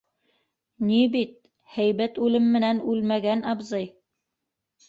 Ни бит... һәйбәт үлем менән үлмәгән абзый...